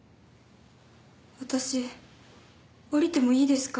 私降りてもいいですか？